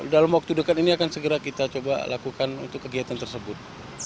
dalam waktu dekat ini akan segera kita coba lakukan untuk kegiatan tersebut